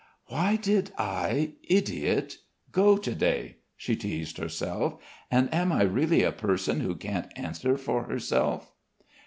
"Why did I idiot go to day?" she teased herself. "And am I really a person who can't answer for herself?"